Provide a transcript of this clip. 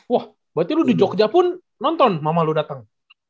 wah berarti lu di jogja pun nonton mama lu datang